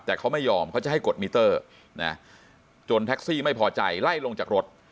แต่เขาไม่ยอมเขาจะให้กดมิเตอร์นะจนแท็กซี่ไม่พอใจไล่ลงจากรถ